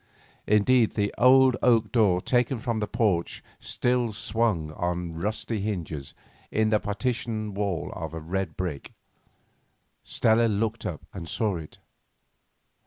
Indeed, the old oak door taken from the porch still swung on rusty hinges in the partition wall of red brick. Stella looked up and saw it.